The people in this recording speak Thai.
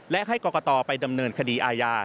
และให้กรกตไปดำเนินคดีอาญา